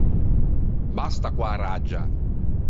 Basta co-a raggia!